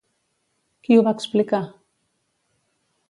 Qui ho va explicar?